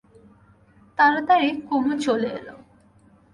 তাড়াতাড়ি কুমু চলে এল।